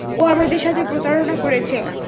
ও আমাদের সাথে প্রতারণা করেছে।